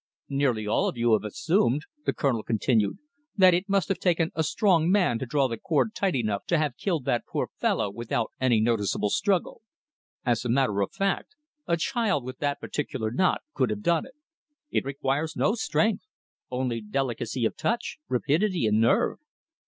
"Nearly all of you have assumed," the Colonel continued, "that it must have taken a strong man to draw the cord tight enough to have killed that poor fellow without any noticeable struggle. As a matter of fact, a child with that particular knot could have done it. It requires no strength, only delicacy of touch, rapidity and nerve."